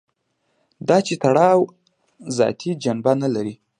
دا چې تړاو ذاتي جنبه نه لري.